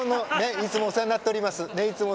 いつもお世話になっております。